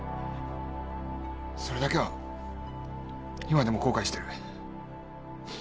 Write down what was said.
それだけは今でも後悔してる。